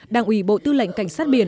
đảng ủy bộ tư lệnh cảnh sát biển